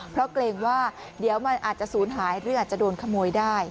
เพราะเกรงว่าเดี๋ยวมันอาจจะศูนย์หายหรืออาจจะโดนขโมยได้